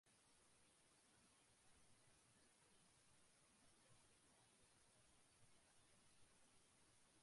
অতীতে কোন নক-আউট পদ্ধতি ছিল না ও প্রয়োজনে যৌথভাবে ট্রফি প্রদান করা হতো।